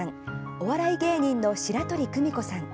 お笑い芸人の白鳥久美子さん